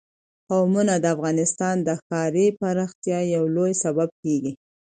قومونه د افغانستان د ښاري پراختیا یو لوی سبب کېږي.